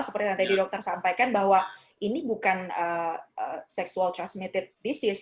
seperti yang tadi dokter sampaikan bahwa ini bukan sexual transmited disease